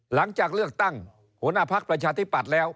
หลังจากเลือกตั้งหัวหน้าพักประชาธิปัตย์แล้ว